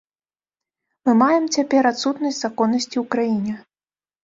Мы маем цяпер адсутнасць законнасці ў краіне.